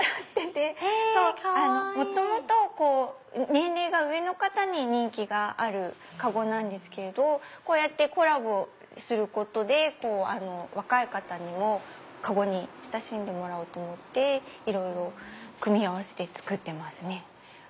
年齢が上の方に人気がある籠なんですけどこうやってコラボすることで若い方にも籠に親しんでもらおうと思っていろいろ組み合わせて作ってますね。